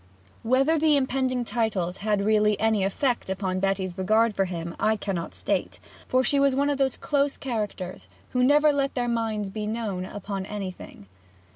Whether the impending titles had really any effect upon Betty's regard for him I cannot state, for she was one of those close characters who never let their minds be known upon anything.